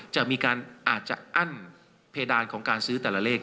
อาจจะมีการอาจจะอั้นเพดานของการซื้อแต่ละเลข